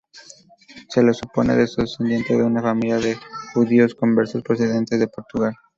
Se lo supone descendiente de una familia de judíos conversos procedentes de Portugal.